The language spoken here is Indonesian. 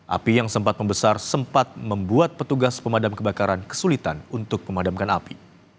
api yang sempat membesar sempat membuat petugas pemadam kebakaran kesulitan untuk memadamkan api